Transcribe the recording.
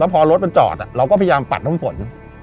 แล้วพอรถมันจอดอ่ะเราพยายามปัดฝน